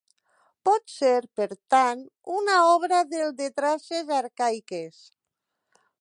Pot ser, per tant, una obra del de traces arcaiques.